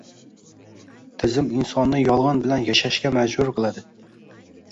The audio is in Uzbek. Tizim insonni yolg‘on bilan yashashga majbur qiladi